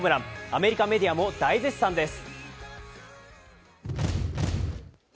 アメリカメディアも大絶賛です。